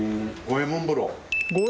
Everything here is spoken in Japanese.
五右衛門風呂？